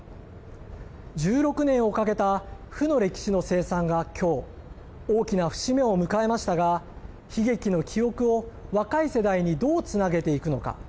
１６年をかけた負の歴史の清算が今日大きな節目を迎えましたが悲劇の記憶を若い世代にどう、つなげていくのか。